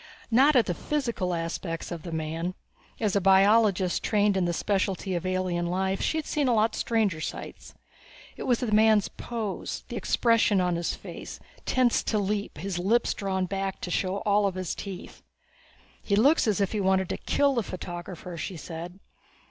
Not at the physical aspects of the man; as a biologist trained in the specialty of alien life she had seen a lot stranger sights. It was the man's pose, the expression on his face tensed to leap, his lips drawn back to show all of this teeth. "He looks as if he wanted to kill the photographer," she said.